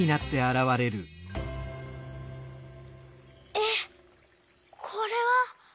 えっこれは。